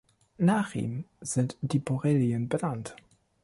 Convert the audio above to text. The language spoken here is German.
Nach ihm sind die Borrelien benannt.